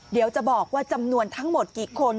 เดี๋ยวจะบอกว่าจำนวนทั้งหมดกี่คน